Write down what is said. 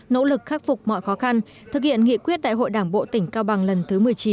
nỗ lực khắc phục mọi khó khăn thực hiện nghị quyết đại hội đảng bộ tỉnh cao bằng lần thứ một mươi chín